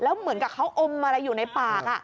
เหมือนกับเขาอมอะไรอยู่ในปาก